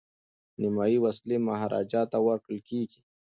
نیمایي وسلې مهاراجا ته ورکول کیږي.